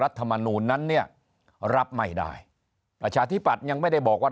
รัฐมนูลนั้นเนี่ยรับไม่ได้ประชาธิปัตย์ยังไม่ได้บอกว่า